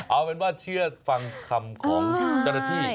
เอาเป็นว่าเชื่อฟังคำของกฎตัติ